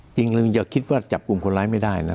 จริงอย่าคิดว่าจับกลุ่มคนร้ายไม่ได้นะ